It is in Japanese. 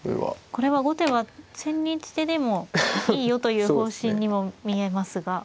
これは後手は千日手でもいいよという方針にも見えますが。